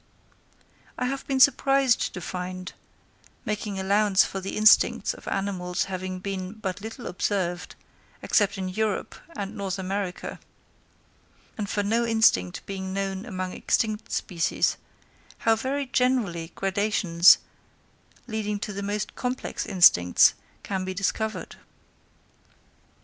I have been surprised to find, making allowance for the instincts of animals having been but little observed, except in Europe and North America, and for no instinct being known among extinct species, how very generally gradations, leading to the most complex instincts, can be discovered.